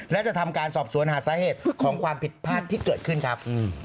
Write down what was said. และจะทำการสอบสวนหาสาเหตุของความผิดพลาดที่เกิดขึ้นครับ